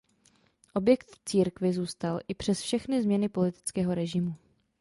Objekt církvi zůstal i přes všechny změny politického režimu.